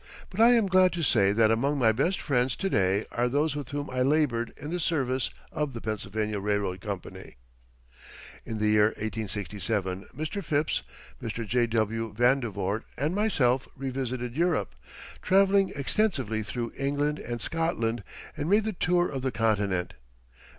But I am glad to say that among my best friends to day are those with whom I labored in the service of the Pennsylvania Railroad Company. In the year 1867, Mr. Phipps, Mr. J.W. Vandevort, and myself revisited Europe, traveling extensively through England and Scotland, and made the tour of the Continent.